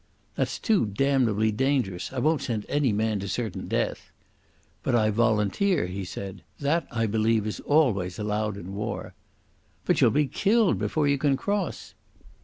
"That's too damnably dangerous. I won't send any man to certain death." "But I volunteer," he said. "That, I believe, is always allowed in war." "But you'll be killed before you can cross."